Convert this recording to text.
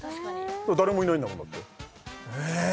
誰もいないんだもんだってええっ！？